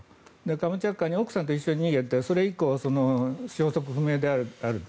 カムチャツカに奥さんと一緒に逃げてそれ以降、消息不明であると。